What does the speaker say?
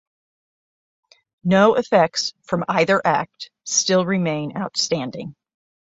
No effects from either Act still remain outstanding.